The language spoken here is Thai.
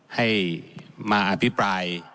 ให้มาอภิปราย